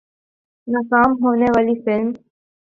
ناکام ہونے والی فلم